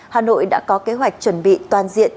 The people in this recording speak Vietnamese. hà nội đã có kế hoạch chuẩn bị toàn diện